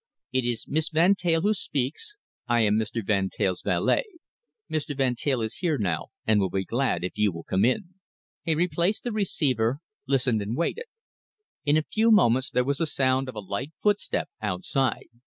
"It is Miss Van Teyl who speaks? I am Mr. Van Teyl's valet. Mr. Van Teyl is here now and will be glad if you will come in." He replaced the receiver, listened and waited. In a few moments there was the sound of a light footstep outside.